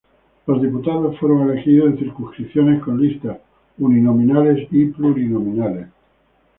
Los diputados fueron elegidos en circunscripciones con listas uninominales y plurinominales.